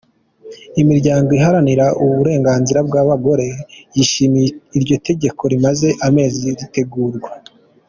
Imiryango iharanira uburenganzira bw'abagore, yishimiye iryo tegeko rimaze amezi ritegurwa.